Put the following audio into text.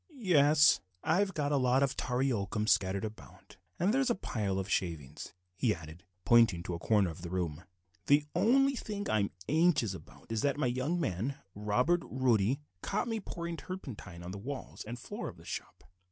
"Yes, I've got a lot of tarry oakum scattered about, and there is a pile of shavings," he added, pointing to a corner of the room; "the only thing I'm anxious about is that my young man Robert Roddy caught me pouring turpentine on the walls and floor of the shop.